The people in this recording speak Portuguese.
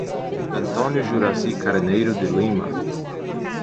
Antônio Juraci Carneiro de Lima